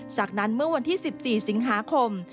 จากนั้นเมื่อวันที่๑๔สิงหาคม